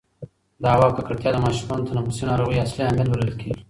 د هوا ککړتیا د ماشومانو د تنفسي ناروغیو اصلي عامل بلل کېږي.